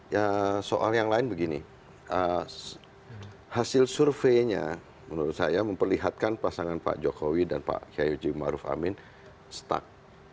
ya soal yang lain begini hasil surveinya menurut saya memperlihatkan pasangan pak jokowi dan pak kiai ujiwimahruf amin stuck